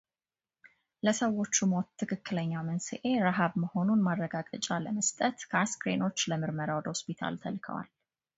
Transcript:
ለሰዎቹ ሞት ትክክለኛው መንስዔ ረሃብ መሆኑን ማረጋገጫ ለመስጠት ከአስክሬኖች ለምርመራ ወደ ሆስፒታል ተልከዋል